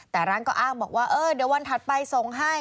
แต่ร้านก็อ้างบอกว่าเออเดี๋ยววันถัดไปส่งให้